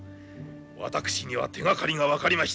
私には手がかりが分かりました。